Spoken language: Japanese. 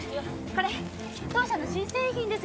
これ当社の新製品です